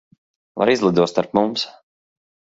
Lai izlido starp mums.